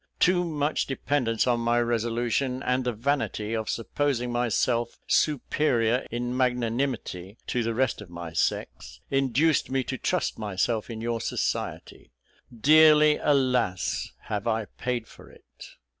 Too much dependence on my resolution, and the vanity of supposing myself superior in magnanimity to the rest of my sex, induced me to trust myself in your society. Dearly, alas! have I paid for it.